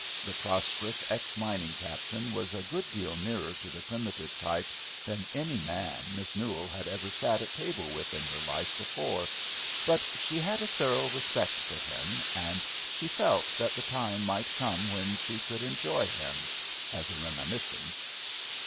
The prosperous ex mining captain was a good deal nearer to the primitive type than any man Miss Newell had ever sat at table with in her life before, but she had a thorough respect for him, and she felt that the time might come when she could enjoy him as a reminiscence.